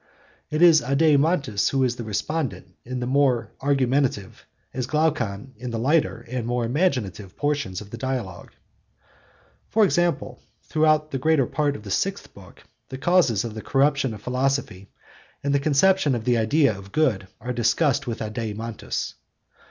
It is Adeimantus who is the respondent in the more argumentative, as Glaucon in the lighter and more imaginative portions of the Dialogue. For example, throughout the greater part of the sixth book, the causes of the corruption of philosophy and the conception of the idea of good are discussed with Adeimantus.